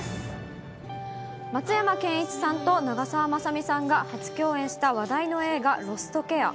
松山ケンイチさんと長澤まさみさんが初共演した話題の映画、ロストケア。